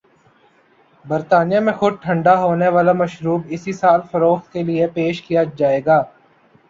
برطانیہ میں خود ٹھنڈا ہونے والا مشروب اسی سال فروخت کے لئے پیش کیاجائے گا۔